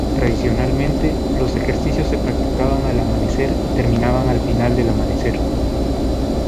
Tradicionalmente, los ejercicios se practicaban al amanecer y terminaban al final del amanecer.